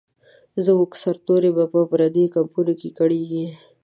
زموږ سرتوري به په پردیو کمپونو کې کړیږي.